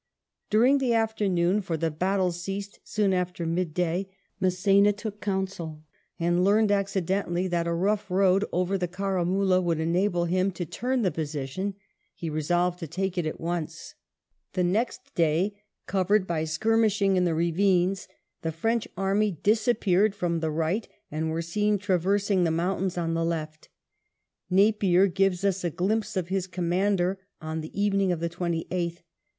During the afternoon, for the battle ceased soon after midday, Mass^na took council, and learning accidentally that a rough road over the Caramula would enable him to turn the position, he resolved to take it at once. The next day, covered by skirmishing in the ravines, the French army disappeared from the front and were seen traversing the mountains on the left Napier gives us a glimpse of his commander on the evening of the 28th.